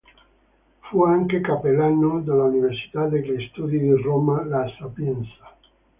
Fu anche cappellano dell'Università degli Studi di Roma "La Sapienza".